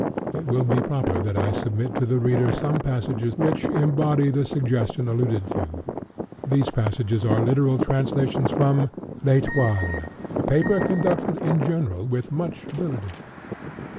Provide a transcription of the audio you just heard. It will be proper that I submit to the reader some passages which embody the suggestion alluded to. These passages are literal translations from L'Etoile, (*10) a paper conducted, in general, with much ability.